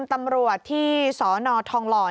ตำรวจที่สนทองหล่อ